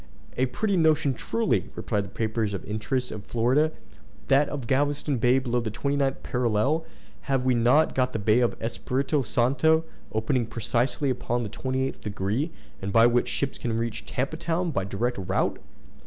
"A pretty notion truly," replied the papers in the interest of Florida, "that of Galveston bay below the 29th parallel! Have we not got the bay of Espiritu Santo, opening precisely upon the 28th degree, and by which ships can reach Tampa Town by direct route?"